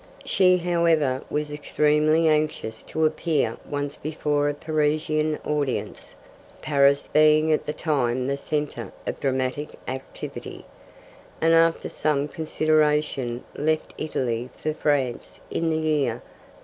She, however, was extremely anxious to appear once before a Parisian audience, Paris being at that time the centre of dramatic activity, and after some consideration left Italy for France in the year 1855.